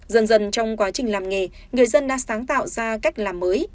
dần dần trong quá trình làm nghề người dân đã sáng tạo ra cách làm mới